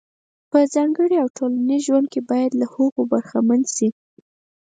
په ځانګړي او ټولنیز ژوند کې باید له هغو برخمن شي.